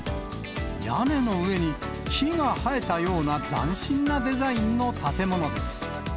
屋根の上に木が生えたような斬新なデザインの建物です。